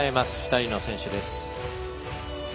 ２人の選手です。